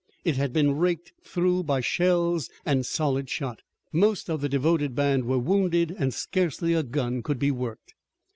It had been raked through by shells and solid shot. Most of the devoted band were wounded and scarcely a gun could be worked.